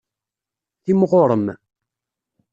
Timɣurem.